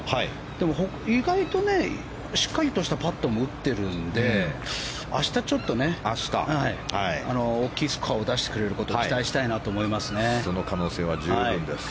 でも意外としっかりとしたパットも打ってるので明日ちょっとね、大きいスコアを出してくれることをその可能性は十分です。